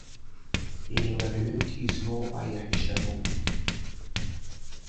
Еиларҩынт измоу аиаҳәшьа лоуп.